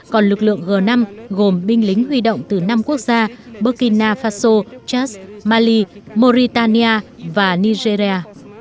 còn lực lượng g năm gồm binh lính huy động từ năm quốc gia burkina faso chat mali moritaya và nigeria